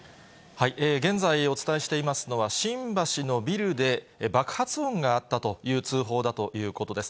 現在お伝えしていますのは、新橋のビルで爆発音があったという通報だということです。